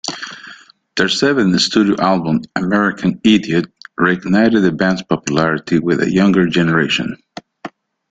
Their seventh studio album "American Idiot" reignited the band's popularity with a younger generation.